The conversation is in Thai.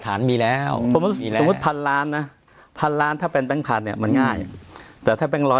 ถ้าคุณยกเรื่องทีมีไปแล้ว